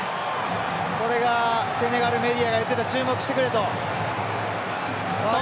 これがセネガルメディアが言ってた注目してくれと。